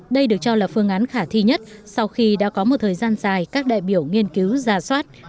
đây được cho là phương án khả thi nhất sau khi đã có một thời gian dài các đại biểu nghiên cứu giả soát